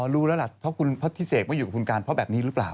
รู้แล้วล่ะเพราะคุณพระทิเสกไม่อยู่กับคุณการเพราะแบบนี้หรือเปล่า